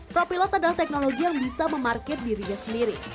propilot adalah teknologi yang bisa memarkir dirinya sendiri